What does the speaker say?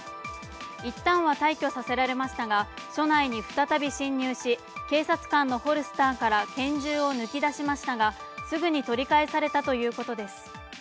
一旦は退去させられましたが署内に再び侵入し、警察官のホルスターから拳銃を抜き出しましたが、すぐに取り返されたということです。